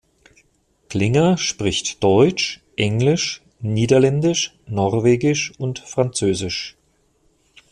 Klinger spricht deutsch, englisch, niederländisch, norwegisch und französisch.